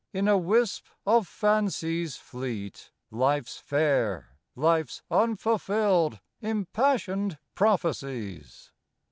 In a wisp of fancies fleet, Life's fair, life's unfulfilled, impassioned prophecies.